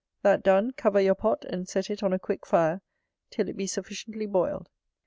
That done, cover your pot and set it on a quick fire till it be sufficiently boiled.